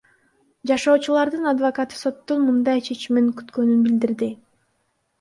Жашоочулардын адвокаты соттун мындай чечимин күткөнүн билдирди.